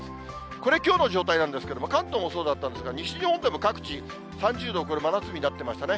これ、きょうの状態なんですけども、関東もそうだったんですが、西日本でも各地、３０度を超える真夏日になってましたね。